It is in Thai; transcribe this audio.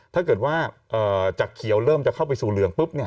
ถ้าเกิดว่าจะเขียวเริ่มจะเข้าไปสู่เรือง